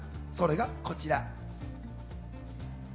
それがこちら。